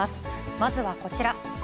まずはこちら。